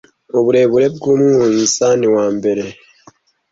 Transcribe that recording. Uburebure bwa umunzani wambere,